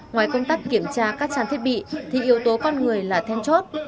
ngoài công tác kiểm tra các trang thiết bị thì yếu tố con người là then chốt